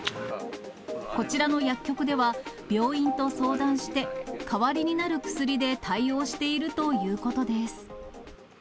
こちらの薬局では、病院と相談して代わりになる薬で対応しているということです。